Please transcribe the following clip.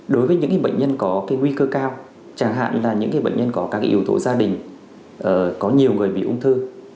đối với những bệnh nhân có nguy cơ cao chẳng hạn là những bệnh nhân có các yếu tố gia đình có nhiều người bị ung thư